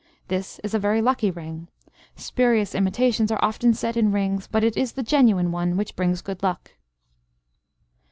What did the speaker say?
This is a very lucky ring. Spurious imitations are often set in rings, but it is the genuine one which brings good luck.